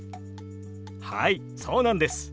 はいそうなんです。